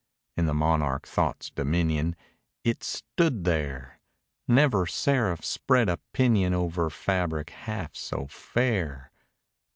In the monarch Thought's dominion It stood there! Never seraph spread a pinion Over fabric half so fair!